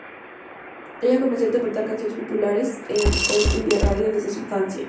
Ella comenzó a interpretar canciones populares en All India Radio desde su infancia.